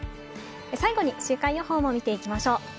最後に週間予報を見ていきましょう。